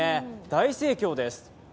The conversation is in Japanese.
大盛況です。